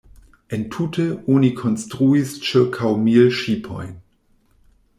Entute oni konstruis ĉirkaŭ mil ŝipojn.